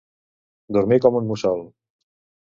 Dormir com un mussol.